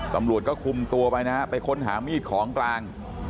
ตำรวจก็คุมตัวไปนะฮะไปค้นหามีดของกลาง